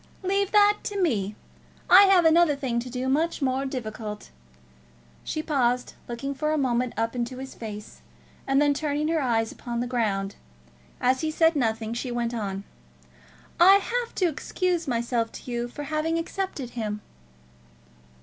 "Leave that to me. I have another thing to do much more difficult." She paused, looking for a moment up into his face, and then turning her eyes upon the ground. As he said nothing, she went on. "I have to excuse myself to you for having accepted him."